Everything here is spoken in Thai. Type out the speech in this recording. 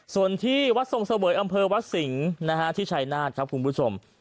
ส่วนที่วัดทรงเสวยอำเภอวัดสิงห์ที่ชายนาฏครับคุณผู้ชม